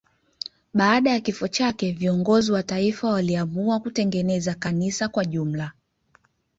Baada ya kifo chake viongozi wa taifa waliamua kutengeneza kanisa kwa jumla.